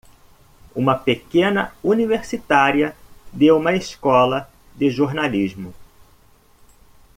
Uma pequena universitária de uma escola de jornalismo!